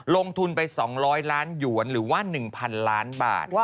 ลงทุนไป๒๐๐ล้านหยวนหรือว่า๑๐๐๐ล้านบาท